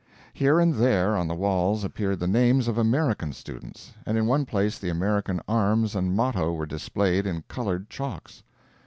Here and there, on the walls, appeared the names of American students, and in one place the American arms and motto were displayed in colored chalks.